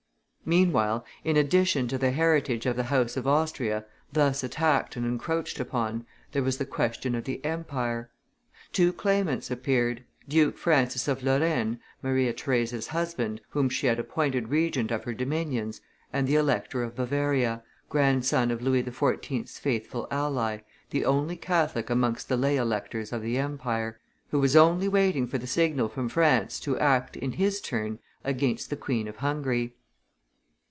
Meanwhile, in addition to the heritage of the house of Austria, thus attacked and encroached upon, there was the question of the Empire. Two claimants appeared: Duke Francis of Lorraine, Maria Theresa's husband, whom she had appointed regent of her dominions, and the Elector of Bavaria, grandson of Louis XIV.'s faithful ally, the only Catholic amongst the lay electors of the empire, who was only waiting for the signal from France to act, in his turn, against the Queen of Hungary.